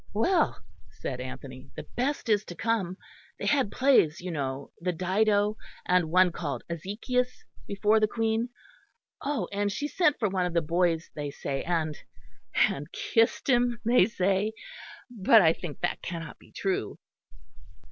"Well," said Anthony, "the best is to come. They had plays, you know, the Dido, and one called Ezechias, before the Queen. Oh! and she sent for one of the boys, they say, and and kissed him, they say; but I think that cannot be true."